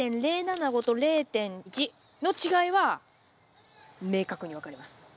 ０．０７５と０．１の違いは明確に分かります。